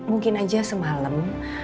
mungkin aja semalem